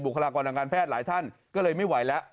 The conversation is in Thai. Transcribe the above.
คลากรทางการแพทย์หลายท่านก็เลยไม่ไหวแล้ว